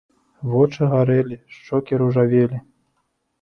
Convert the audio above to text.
Вочы гарэлі, шчокі ружавелі.